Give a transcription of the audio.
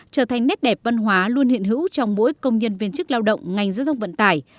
trở thành nét đẹp văn hóa luôn hiện hữu trong mỗi công nhân viên chức lao động ngành giao thông vận tải